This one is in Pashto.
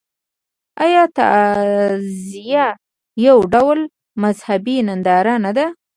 آیا تعزیه یو ډول مذهبي ننداره نه ده؟